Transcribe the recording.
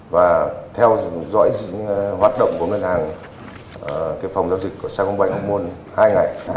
và theo dõi hoạt động của ngân hàng phòng giao dịch của sao công bạch muốn hai ngày